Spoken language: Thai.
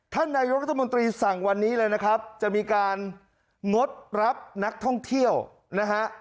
ท่านนายกรัฐมนตรีสั่งวันนี้เลยนะครับจะมีการงดรับนักท่องเที่ยวนะฮะ